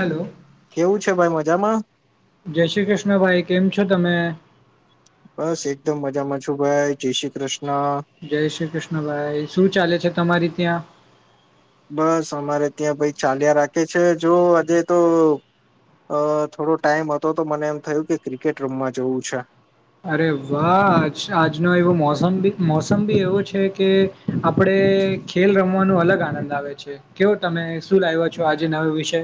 Hello, કેવું છે ભાઈ મજામાં જે શ્રી ક્રષ્ણ ભાઈ કેમ છો? તમે? બસ એકદમ મજામાં છું ભાઈ, જે શ્રી ક્રષ્ જય શ્રી ક્રષ્ણ ભાઈ, શું ચાલે છે તમારી ત્યાં? બસ અમારે ત્યાં ભઈ ચાલ્યા રાખે છે જો આજે તો અ થોડો ટાઈમ અતો તો મને એમ થયું કે ક્રિકેટ રમવા જવું છે. અરે વાહ! આજનો એવો મોસમ બી મોસમ બી એવુ છે કે આપડે ડે ખેલ રમવાનો અલગ આનંદ આવે છે, કેવુ તમે શું લાય્વા છો આજે નવે વિષય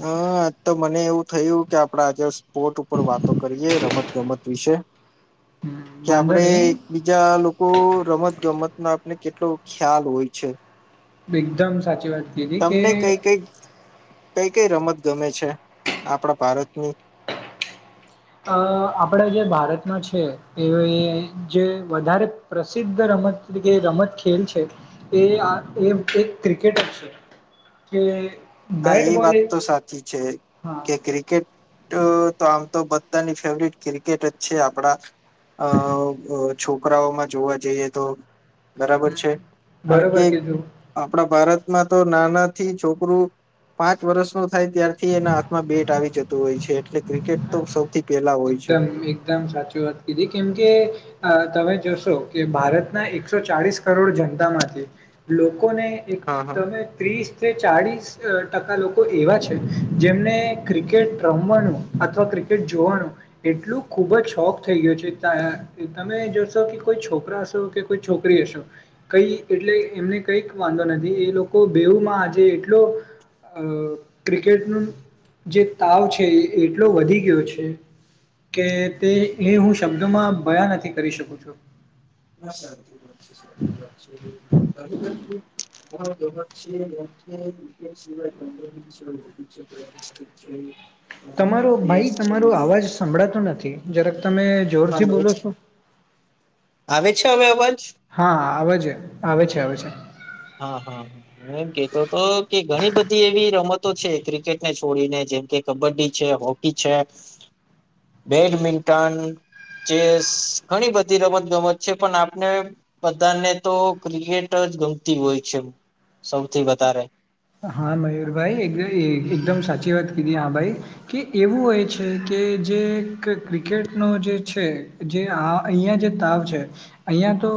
હં આજ તો મને એવું થયું કે આપડા આજે સ્પોર્ટ ઉપર વાતો કરીયે રમત ગમત વિશે. હમ કે વાંધો આપડે નહીં એક બીજા લોકો રમત ગમત ના ને કેટલો ખ્યાલ હોય છે. એકદમ સાચી વાત કીધી કે તમને કઈ કઈ કઈ કઈ રમત ગમે છે આપડા ભારતની? અ આપડા જે ભારતમાં છે એવઈએ જે વધારે પ્રસિદ્ધ રમ રમત કે રમત ખેલ છે એ આ એ એક ક્રિકેટ જ છે કે હા બેટ એ બોલ વાત તો સાચી છે હા કે ક્રિકેટ તો તો આમ તો બ ધાની ફેવરિટ ક્રિકેટ જ છે આપડા અ વ છોકરાઓમાં જોવા જઈએ તો બરાબર છે કાણ કે બરોબર કીધું આપણા ભારતમાં તો નાનાથી છોકરું પાંચ વરસનો થાય ત્યારથી એના હાથમાં બેટ આવી જતું હોય છે એટલે ક્રિકેટ તો સૌથી પેલા હોય છે એકદમ એકદમ સાચી વાત કીધી કેમ કે આ તમે જોશો કે ભારતના એકસો ચાળીસ કરોડ જનતામાંથી લો કોને એક હા હા તમે ત્રીસ થે ચાળીસ ટકા લોકો એવા છે જેમને ક્રિકેટ રમવાનું અથવા તો ક્રિકેટ જોવાનું એટલું ખુબ જ શોખ થઈ ગયો છે તા કે તમે જોશો કે કોઈ છોકરા અશો કે કોઈ છોક કરી અસો કઈ એટલે કે એમને કઈક વાંધો નથી એ લોકો બેઉમાં આજે એટલો અ ક્રિકેટનો જે તાવ છે એ એટલો વધી ગયો છે. કે તે એ હું શબ્દોમાં બયાં નથી કરી શકતો. હા સાચી વાત છે સાચી વાત છે [unintelligible] [unintelligible] તમારો ભાઈ તમારો અવાજ સંભળાતો નથી જરાક તમે જોરથી બોલો છો. આવે છે હવે અવાજ? હા, આવે છે આવે છે આવે છે. હા હા હું એમ કેતો તો કે ઘણી બધી એવી રમતો છે ક્રિકેટને છોડીને જેમ કે કબડ્ડી છે, હોકી છે, બેડમિન્ટન જે ઘણી બધી રમત ગમત છે પણ આપને બધાને તો ક્રિકેટ જ ગમ તી હોય છે સૌથી વધારે. હા, મયુરભાઈ એક એ એકદમ સાચી વાત કીધી હા ભાઈ કે એવું હોય છે કે કે જે ક્રિ-ક્રિકેટનો જે છે જે આ અહીયાં જે તાવ છે અહીંયા તો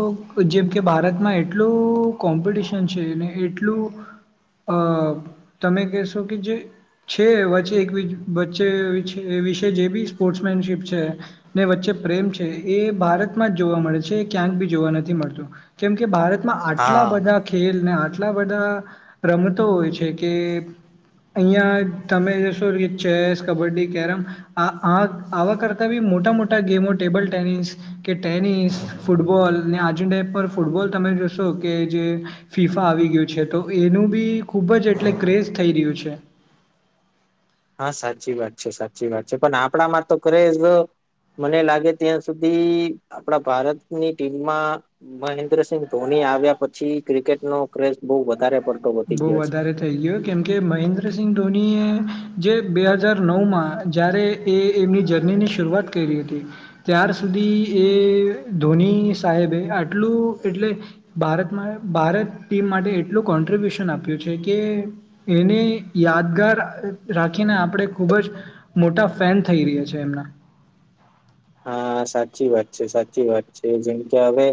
જેમ કે ભારતમાં એટલું કોમ્પિટિશન છેને એટલું અહ તમે કહેશો કે જે છે વચ્ચે એક વી વચ્ચે વિશે જે બી સ્પોર્ટ્સ મેનશીપ છે ને વચ્ચે પ્રેમ છે એ ભારતમાં જ જોવા મળે છે ક્યાંક ભી જોવા નથી મળતું કેમ કે ભારતમાં આટલા હા બધા ખેલ ને આટલા બધા રમતો હોય છે કે અહિયાં તમેશો ચેસ કબડ્ડી કેરમ આ આ આવા કરતા બી મોટા મોટા ગેમો ટેબલ ટેનિસ કે ટેનિસ ફૂટબોલ ને આજુ ટાઈપ પર ફૂટબોલ તમે તે જશો કે જે ફીફા આવી ગયું છે તો એનું બી ખૂબ જ એટલે ક્રેઝ થઈ રહ્યું છે. હા, સાચી વાત છે સાચી વાત છે. પણ આપડા માં તો ક્રેઝ મને લાગે ત્યાં સુધી આપડા ભારતની ટીમમાં મહેન્દ્રસિંહ ધોની તે આવ્યા પછી ક્રિકેટ નો ક્રેઝ બહુ વધારે પડતો વધી બઉ ગયો છે. વધારે થઇ ગયો કેમ કે મહેન્દ્ર સિંહ ધોનીએ જે બે હજાર નવ માં જય્યારે એ એમની જર્ની ની શરૂઆત ક કરી હતી ત્યાર સુધી એ ધોની સાહેબે આટલું એટલે ભારત ભારત ટીમ માટે એટલું કોન્ટ્રિબ્યુટ આપ્યું છે કે એને યાદગાર રાખીને આપણે ખૂબ જ મોટા ફેન થઈ રહ્યા છે એમના હા સાચી વાત છે સાચી વાત છે જેમ કે હવે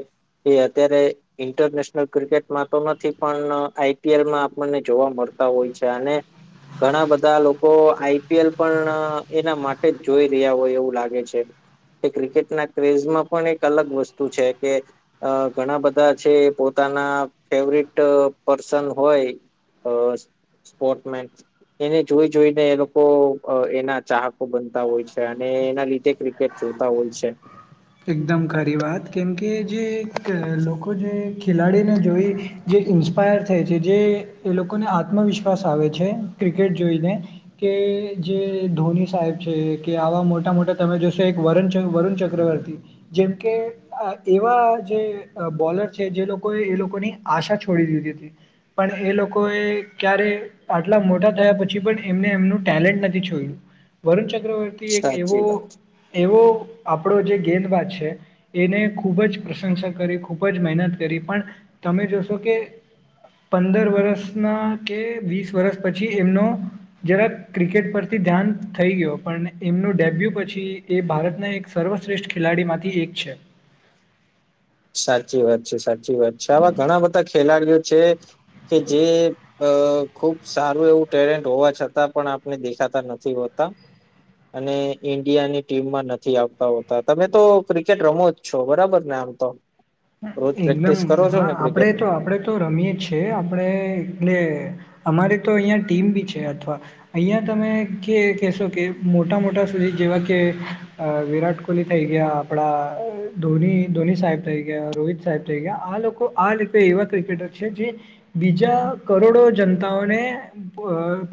એ અત્યારે ઈન્ટરનેશનલ ક્રિકેટમાં તો નથી પણ આઈપીએલમાં આપણને જોવા મળત તા હોય છે અને ઘણા બધા લોકો આઈપીએલ પણ એના માટે જ જોઈ રહ્યા હોય એવું લાગે છે. કે ક્રિકેટના ક્રેઝમાં પણ એક અલગ વસ્તુ છે કે ઘણા બધા છે એ પો પોતાના ફેવરટ પર્સન હોય સ્પોર્ટમે એને જોઈ જોઈને એ લોકો એના ચાહકો બનતા હોય છે અને એના લીધે ક્રિકેટ જોતા હોય છે. એકદમ ખારી વાત કેમકે જે લોકો જે ખેલાડીને જોઈ જે ઇન્સ્પાયર થાય છે જે એ લોકોને આત્મવિશ્વાસ આવે છે ક્રિકેટ જોઈને કે કે જે ધોની સાહેબ છે કે આવા મોટા મોટા તમે જોશો એક વણ વરુણ ચક્રવર્ત જેમ કે એવા જે બોલર છે જે લોકોએ એ લોકોની આશા છોડી દીધી હતી. પણ એ લોકો એ ક્યારે આટલા મોટા થયા પછી પણ એમને એમનું ટેલેન્ટ નથી છોયું. વરુણ ચક્રવર્તી એક એવો સાચી વાત એવો આપણો જે ગેદ વા છે એને ખૂબ જ પ્રશંસા કરી ખૂબ જ મહેનત કરી પણ તમે જોશો કે પંદર વર્ષ ના કે વીસ વર્ષ પછી એમનો જરા ક્રિકેટ પરથી ધ્યાન થઈ ગય પણ એમનું ડેબ્યુ પછી એ ભારતના એક સર્વ શ્રેષ્ઠ ખેલાડી માંથી એક છે. સાચી વાત છે સાચી વાત છે આવા ઘણા બધા ખેલાડીઓ છે કે જે અ ખુબ સારું એવું ટેલેન્ટ હોવા છતાં પણ આપને દેખાતા નથી હોતા. અને ઈન્ડિયાની ટીમમાં નથી આવતા હોતા તમે તો ક્રિકેટ રમો જ છો બરાબર ને આમ તો? રોજ એકદમ પ્રેક્ટિસ કરો છો હા ને આપડે તો ક્રિકેટની આપણેે તો રમીએ છેએ આપડણે એટલે અમારે તો અહીંયા ટીમ બી છે અથવા અહીંયા તમે કે કહેશો કે મોટા મોટા સુધી જેવા કે વિરાટ કોહલી થઈ ગયા આપડા ધો ધોની સાહેબ થઈ ગયા રોહિત સાહેબ થઈ ગયા આ લોકો આ લોકો એવા ક્રિકેટર છે જે બીજા કરોડો ને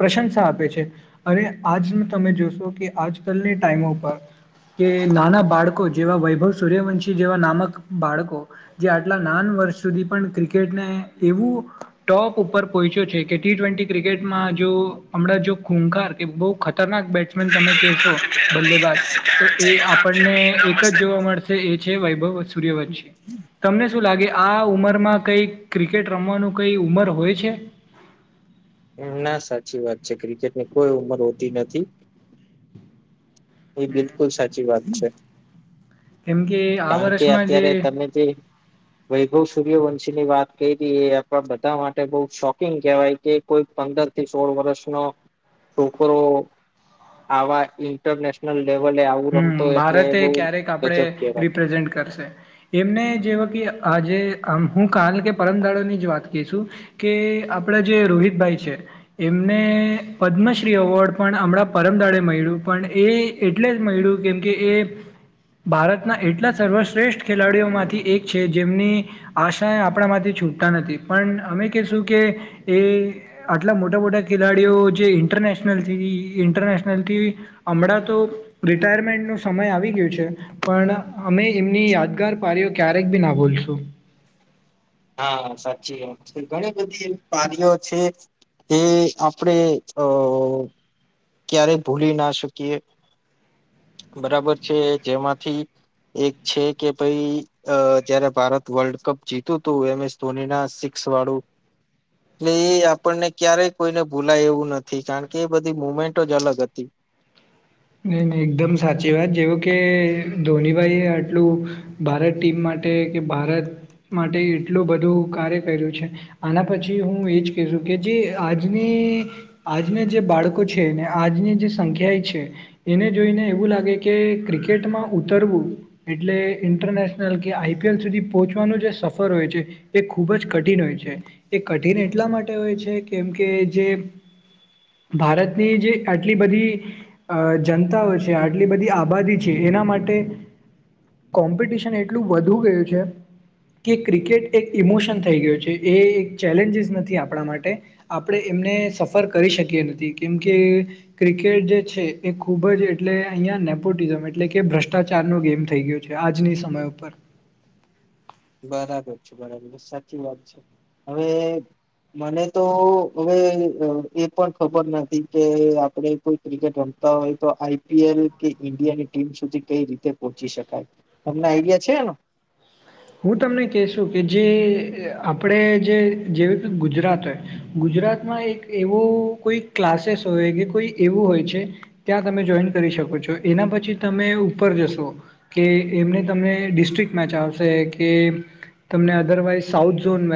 પ્રશંસા આપે છે અને આજ તમે જોશો કે આજ ટ કે નાના બાળકો જેવા વૈભવ સૂર્યવંશી જેવા નામક બાળકો જે આટલા નાન વર્ષ સુધી પણ ક્રિકેટને એવું ટોપ ઉપર પો પહોંચ્યું છે કે ટી ટ્વેન્ટી ક્રિકેટમાં જો હણાં જો ખૂકાર કે બહ ખતરનાક બેટ્સમેન તમે કેશો બલ્લે બાાજ તો એ આપણને એક જ જોવા મળશે એ છે વૈભવ સૂર્યવંશી તમને એવું લાગે આ ઉમરમાં કઈક ક્રિકેટ રમવાનું કઈ ઉમર હોય છે? એમ ના સાચી વાત છે ક્રિકેટની કોઈ ઉંમર હોતી નથી. એ બિલકુલ સાચી વાત છે. કેમ કે આ કારણ કે વર્ષમાં જે અત્યારે તમે જે વૈભવ સૂર્યવન વંશીની વાત કરી એ આપ બધા માટે બહ શોકિંગ કહેવાય કે કોઈ પંદર થી સોળ વર્ષનો છોકરો આવા ઇન્ટરનેશનલ લેવલે આવું હમ રમતો એટલે ભારતે બઉ ક્યારેક આપણેે ગજબ કેવાય. રિપ્રેઝેન્ટ કરશે એમને જેવ કે આજે હું કાલ કે પરમદાડાની જ વાત કશું કે આપડા જે રોહિતભાઈ છે એ એમને પદ્મશ્રી એવોર્ડ પણ હમણાં પરમદાડે મળ્યું પણ એ એટલે જ મળ્યું કેમ કે એ ભારતના એટલા સર્વશ્રેષ્ઠ ખેલાડીઓમાંથી એક છે જેમની આશા આપણામાંથી છૂટતા નથી પણ અમે કશું કે એ આટલા મોટા મોટા ખેલાડીઓ જે ઇન્ટરેસ્ટ રનેશનલ થી ઇન્ટરનેશનલ થી હમણાં તો રિટાયરમેન્ટનો સમય આવી ગયો છે પણ અમે એમની યાદગાર પાર્યો ક્યારેક બી ના ભૂલીએ. [unintelligible] હા સાચી વાત છે, બધી પાનીઓ છે. તે આપણે અ ક્યારે ભૂલી ના શકીએ બરાબર છે જેમાંથી એક છે કે ભઈ અ જ્યારે ભારત વર્લ્ડ કપ જીતું તું એમ એસ ધોની ના સિક્સ વાળું એટલે એ આપણને ક્યારેય કોઈને ભૂલાય એવું નથી કારણ કે એ બધી મુમેન્ટો જ અલગ હતી. [inaudible] નહીં નહીં એકદમ સાચી વાત જેવું કે ધોનીભાઈ એ આટલું ભારત ટીમ માટે એ કે ભારત માટે એટલું બધું કાર્ય કર્યું છે આના પછી હું એજ કેશું કે જે આજની એ આજના જે બાળકો છે ને આજની જે સંખ્યા એ છે એને જોઈને એવું લાગે કે ક્રિકેટમાં ઉતરવું એટલે ઇન્ટરનેશનલ કે આઈ આઈપીએલ સુધી પહોંચવાનું જે સફર હોય છે એ ખૂબ જ કઠિન હોય છે એ કઠિન એટલા માટે હોય છે કેમ કે જે ભારતની જે આટલી બધી અ જનતાઓ છે આટલી બધી આબાદી છે એના માટે કોમ્પિટિશન એટલું વધુ ગયું છે. કે ક્રિકેટ એક ઇમોશન થઈ ગયો છે એ એક ચેલેન્જીસ નથી આપણા માટે આપણે એ એમને સફર કરી શકીએ નથી કેમ કે ક્રિકેટ જે છે. એ ખૂબ જ એટલે અહીંયા નેપોટિઝમ એટલે કે ભ્રષ્ટાચારનો ગેમ થઈ ગયો છે આજની સમય ઉપર [unintelligible] બરાબર છે બરાબર સાચી વાત છે હવે મને તો હવે એ પણ ખબર નથી કે આપણે કોઈ ક્રિકેટ રમ- તો આઈપીએલ કે ઈન્ડિયાની ટીમ સુધી કઈ રીતે પહોચી શકાય તમને આઈડિયા છે આનો [unintelligible] હું તમને કહેશું કે જે આપણે જે જેવી કે ગુજરાત હોય ગુજરાત માં એક એવો કોઈ ક્લાસેસ હોય કે કોઈ એવું હોય છે ત્યાં તમે જોઈન કરી શકો એના પછી તમે ઉપર જશો કે એમને તમે ડિસ્ટ્રિક મેચ આવશો આવશે કે તમને અધરવાઈઝ સાઉથ ઝોન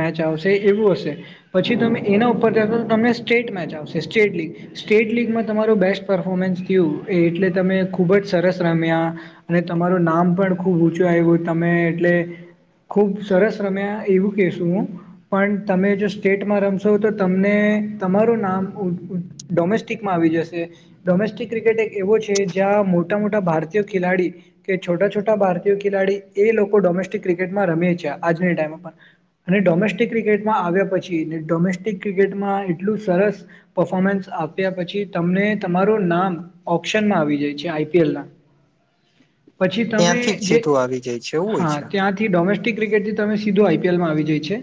મેચ આવશે એવું હશે પછી તમે એના ઉપર ત્યાં તમને સ્ટેટ મેચ આવશે સ્ટેટ લીગ સ્ટેટ લીગમાં તમારું બેસ્ટ પરફોર્મન્સ થયું એ એટલે તમે ખુબ જ સરસ રમ્યા અને તમારું નામ પણ ખુબ ઊંચું આવ્યું તમે એટલે ખુબ સરસ રમ્યા એવું કશું હું પણ તમે જો સ્ટેટમાં રમશો તો તમને તમા ના ડોમેસ્ટિકમાં આવી જશે ડોમેસ્ટિક ક્રિકેટ એક એવો છે જ્યાં મોટા મોટા ભારતીય ખીલાડી, કે છોટા છોટા ભારતીય ખીલાડી એ લોકો ડોમેસ્ટિક ક્રિકેટમાં રમીયે છે, આજની ટાઈમે પણ અને ડોમેસ્ટિક ક્રિકેટમાં આવ્યા પછી, ડોમેસ્ટિક ક્રિકેટમાં એટલું સરસ પફોર્મન્સ આપ્યા પછી તમને તમારું નામ ઑક્શન આવી જાય છે આઈ પી એલ ના. [unintelligible] ત્યાંથી જ સીધું આવી જાય છે. એવું હોય હા છે ત્યાંથી ડોમ સ્ટિક ક્રિકેટથી તમે સીધો આઈ પી એલમાં આવી જાય છે,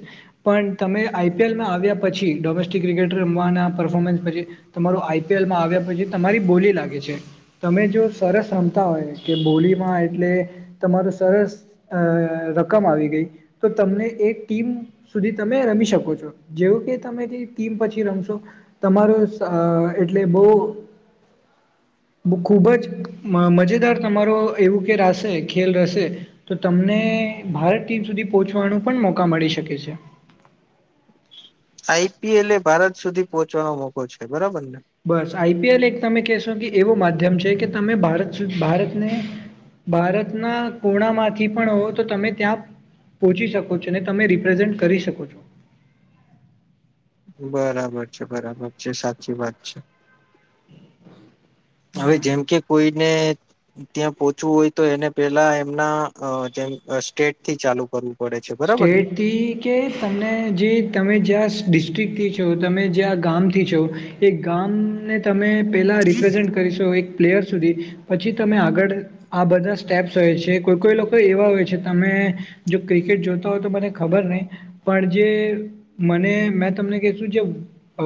પણ તમે આઈ પી એલમાં આવ્યા પછી ડોમેસ્ટિક ક્રિકટ રમવાના પફોર્મન્સ પછી તમારુ આઈ પી એલમાં આવ્યા પછી, તમારી બોલી લાગે છે, તમે જો સરસ રમતા હોય, કે બોલીમાં એટલે તમારું સરસ અ રકમ આવી ગઈ, તો તમને એક ટીમ સુધી તમે રમી શકો છો, જે [unintelligible] તમે જે ટીમ પછી રમશો, તમારો સ એટલે બો [unintelligible] બ ખુબ જ, મજેદાર તમારો એવું કે રાસે, ખેલ રહસે તો તમને, ભારત ટીમ સુધી પોહચવાનું પણ મોકા મળી શકે છે. આઈ પી એલ એ ભારત સુધી પોહચવાનો મોકો છે, બરાબર ને? બસ, આઈ પી એલ એક તમે કેશોન કે એવો માધ્યમ છે કે, તમે ભારત ભારતને ભારતના કોણા માંથી પણ હોવ તો તમે ત્યાં પોહચી શકો છો અને તમે રિપ્રેઝેન્ટ કરી શકો છો. બરાબર છે, બરાબર છે, સાચી વાત છે. હવે હા જેમ કે કોઈને ત્યાં પોચવું હોય તો એને પેલા એમના, અ જેમ સ્ટેટ થી ચાલુ કરવું પડે છે બરાબર ને સ્ટેટથી કે, તમને જે તમે જ્યાં ડિસ્ટ્રિક થી છો, તમે જે આ ગામથી છો, એ ગામને તમે પેલા રિપ્રેઝન્ટ કરી શો, એક પ્લેયર સુધી, પછી તમે આગળ આ બધા સ્ટેપ્સ હોય છે, કોઈ કોઈ લોકો એવા હોય છે તમે જો ક્રિ કેટ જોતા હોય તો મને ખબર નહી, પણ જે મને મે તમને કેશું જે અ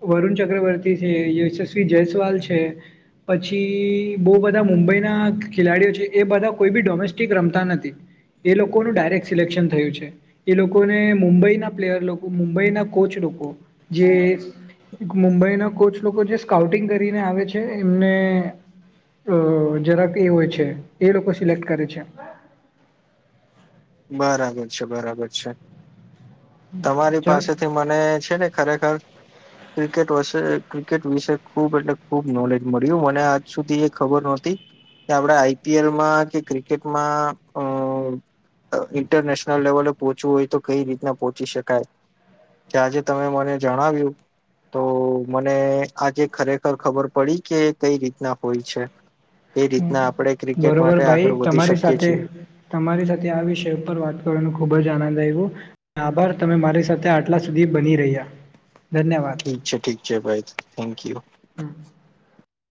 વરુણ ચક્રવર્તી છે, યશસ્વી જેસ્વાલ છે. પછી બોહ બધા મુંબઈના ખેલાડીઓ છે, એ બધા કોઈ બી ડોમેસ્ટિક રમતા નથી. એ લોકો નું ડાયરે સિલેક્શન થયું છે, એ લોકોને મુંબઈના પ્લેયર લોકો, મુંબઈના કોચ લોકો, જે [unintelligible] મુંબઈના કોચ લોકો જે સ્કાઉટિંગ કરીને આવે છે એમને અ જરાક એ હોય છે, એ લોકો સિલેક્ટ કરે છે. [inaudible] બરાબર છે, બરાબર છે, તમારી ચાલ પાસેથી મને છે ને ખરેખર ક્રિકેટ વષે, ક્રિકેટ વિશે ખૂબ એટલે ખૂબ નોલેજ મળ્યું, મને આજ સુધી એ ખબર નોહતી કે આપણે આઈ પી એલમાં, કે ક્રિકેટમાં અમ ઇન્ટરનેશનલ લેવલે પોહચવું હોય તો કઈ રીતના પોહચી શકાય. કે આજે તમે મને જણાવ્યું તો મને આજે ખરેખર ખબર પડી, કે કઈ રીતના હોય છે. એ રીતના આપણે ક્રિકેટ બરોબર માટે ભાઈ આગળ વધી તમારી શકીએ સાથે, છીએ તમારી સાથે આવી વિષય ઉપર વાત કરવાનો ખૂબ જ આનંદ આઇવો, આભાર તમે મારી સાથે આટલા સુધી બની રહ્યા. ધન્યવાદ ઠીક છે, ઠીક છે ભાઈ, થેન્ક યુ.